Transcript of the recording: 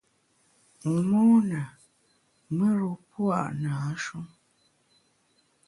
Mona, mùr-u pua’ nâ-shu.